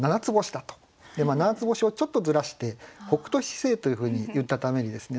七つ星をちょっとずらして「北斗七星」というふうに言ったためにですね